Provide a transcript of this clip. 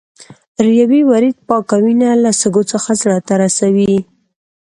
ریوي ورید پاکه وینه له سږو څخه زړه ته رسوي.